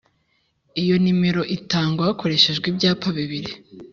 iyo nimero itangwa hakoreshejwe ibyapa bibiri.